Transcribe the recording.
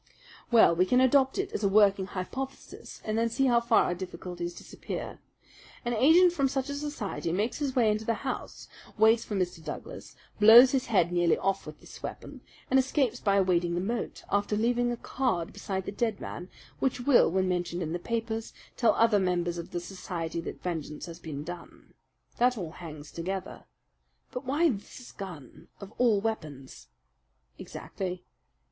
"Well, we can adopt it as a working hypothesis and then see how far our difficulties disappear. An agent from such a society makes his way into the house, waits for Mr. Douglas, blows his head nearly off with this weapon, and escapes by wading the moat, after leaving a card beside the dead man, which will, when mentioned in the papers, tell other members of the society that vengeance has been done. That all hangs together. But why this gun, of all weapons?" "Exactly."